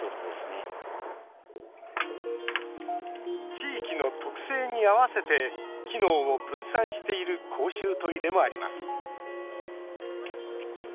地域の特性に合わせて機能を分散している公衆トイレもあります。